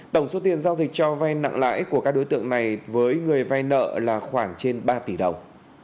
tổng số tiền giao dịch cho vai nặng lãi của các đối tượng này với người vay nợ là khoảng trên ba tỷ đồng